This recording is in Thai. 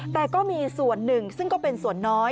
แต่ก็มีส่วนหนึ่งซึ่งก็เป็นส่วนน้อย